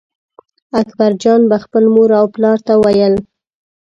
اکبرجان به خپل مور او پلار ته ویل.